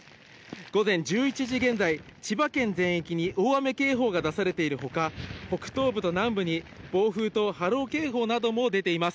午前１１時現在、千葉県全域に大雨警報が出されているほか、北東部と南部に暴風と波浪警報なども出ています。